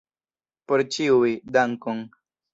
Por ĉiuj, dankon!